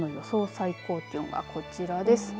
最高気温がこちらです。